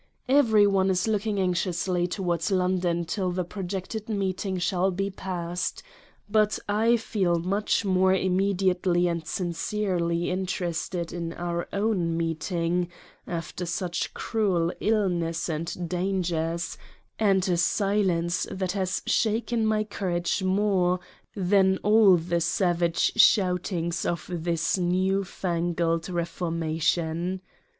Every one is looking anxiously towards London till the projected Meeting shall be past; but /feel much more immediately and sincerely interested in our own meet ing after such cruel Illness and Dangers, and a Silence that has shaken my Courage more than all the Savage Shoutings of this new fangled Reformation.